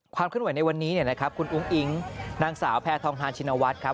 ความเคลื่อนไหวในวันนี้นะครับคุณอุ้งอิงนางสาวแพทองฮาลชินวัฒน์ครับ